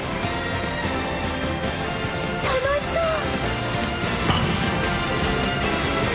楽しそう！